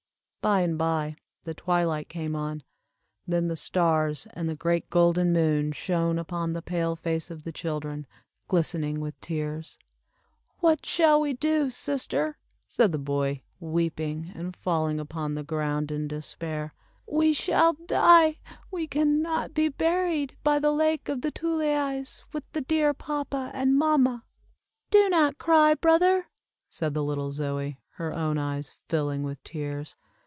By and by the twilight came on, then the stars and the great golden moon shone upon the pale face of the children, glistening with tears. "What shall we do, sister," said the boy, weeping, and falling upon the ground in despair; "we shall die, we can not be buried by the Lake of the Tuleis, with the dear papa and mamma." "Do not cry, brother," said the little Zoie, her own eyes filling with tears.